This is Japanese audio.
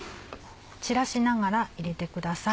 散らしながら入れてください。